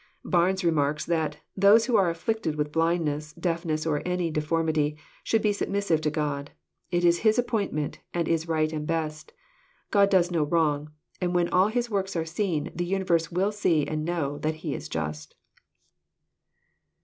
Barnes remarks that '* those who are afflicted with blindness, deafness, or any deformity, should be submissive to God. It is His appointment, and is right and best. God does no wrong; and when all His works are seen, the universe will see and know that He is Just."